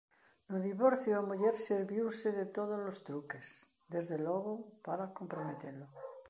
No divorcio a muller serviuse de tódolos truques, desde logo, para comprometelo.